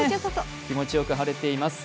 気持ちよく晴れています。